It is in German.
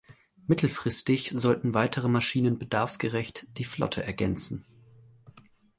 Mittelfristig sollten weitere Maschinen bedarfsgerecht die Flotte ergänzen.